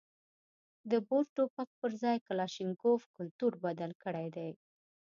د بور ټوپک پر ځای کلاشینکوف کلتور بدل کړی دی.